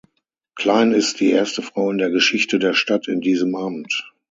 Klein ist die erste Frau in der Geschichte der Stadt in diesem Amt.